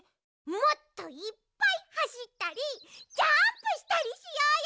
もっといっぱいはしったりジャンプしたりしようよ！